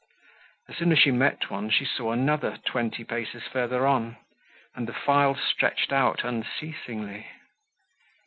As soon as she met one she saw another twenty paces further on, and the file stretched out unceasingly.